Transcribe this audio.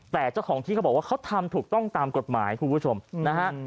แต่เจ้าของที่เขาบอกว่าเขาทำถูกต้องตามกฎหมายคุณผู้ชมนะฮะ